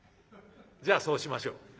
じゃあそうしましょう」。